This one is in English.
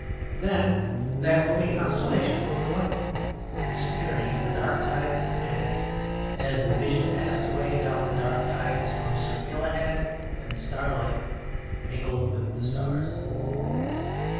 Then that moving constellation moved away, disappearing in the dark tides of humanity, as the vision passed away down the dark tides from Sir Galahad and, starlike, mingled with the stars.